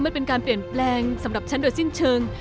มันเป็นการเปลี่ยนแปลงสำหรับฉันโดยสิ้นเชิง